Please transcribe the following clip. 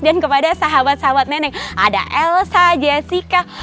dan kepada sahabat sahabat nenek ada elsa jessica